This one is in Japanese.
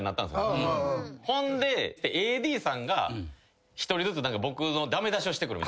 ほんでＡＤさんが１人ずつ僕の駄目出しをしてくる。